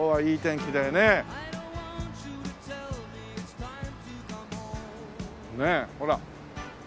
ねえほら。